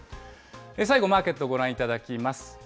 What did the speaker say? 最後、マーケットご覧いただきます。